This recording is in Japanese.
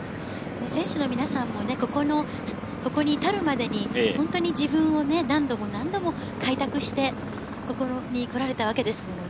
選手の皆さんもここに至るまでに自分を何度も何度も開拓して、ここに来られたわけです。